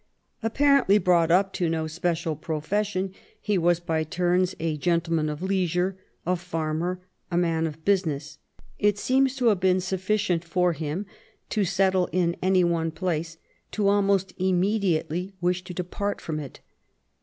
Apparently brought up to no special pro fession, he was by turns a gentleman of leisure, a farmer, a man of business. It seems to have been sufficient for him to settle in any one place to almost immediately wish to depart from it.